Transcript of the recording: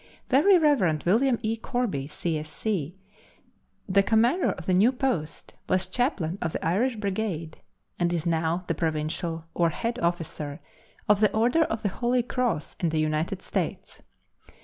Very Rev. William E. Corby, C. S. C., the commander of the new post, was chaplain of the Irish Brigade, and is now the provincial, or head officer, of the order of the Holy Cross in the United States.